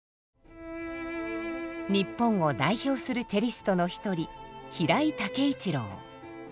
日本を代表するチェリストの一人平井丈一朗。